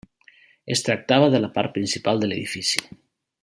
Es tractava de la part principal de l'edifici.